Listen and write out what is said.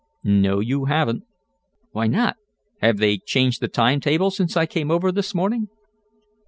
"No you haven't." "Why not? Have they changed the timetable since I came over this morning?"